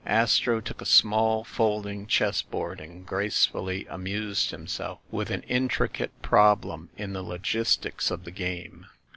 Astro took a small folding chess board and gracefully amused himself with an intricate problem in the logistics of the game.